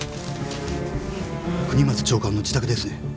國松長官の自宅ですね。